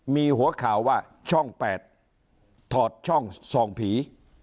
มีหัวข่าวว่าช่อง๘ถอดช่องส่องผี